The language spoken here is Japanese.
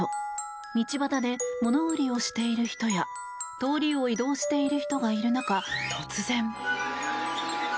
道端で物売りをしている人や通りを移動している人がいる中突然。